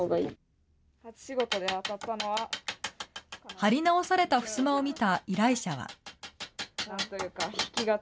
張り直されたふすまを見た依頼者は。